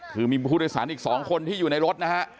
คือมีผู้โดยสารอีก๒คนที่อยู่ในรถนะฮะ